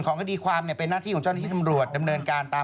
ก็อาจจะบวชทั้งคู่